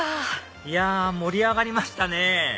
いや盛り上がりましたね